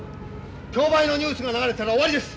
競売のニュースが流れたら終わりです！